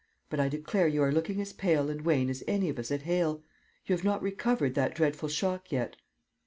But I declare you are looking as pale and wan as any of us at Hale. You have not recovered that dreadful shock yet."